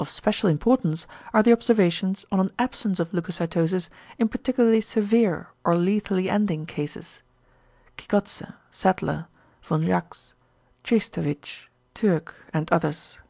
Of special importance are the observations on an absence of leucocytosis in particularly severe or lethally ending cases (Kikodse, Sadler, v. Jaksch, Tschistowitch, Türk and others).